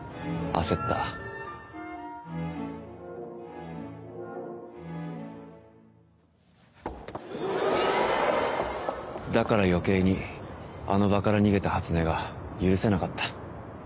ざわめきだから余計にあの場から逃げた初音が許せなかった。